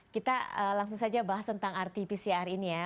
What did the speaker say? kita langsung saja bahas tentang rt pcr ini ya